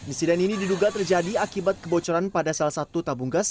insiden ini diduga terjadi akibat kebocoran pada salah satu tabung gas